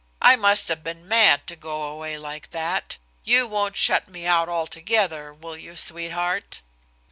I must have been mad to go away like that. You won't shut me out altogether, will you, sweetheart?"